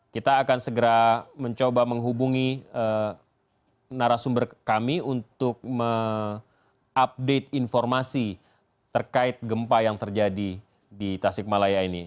kita akan segera mencoba menghubungi narasumber kami untuk mengupdate informasi terkait gempa yang terjadi di tasik malaya ini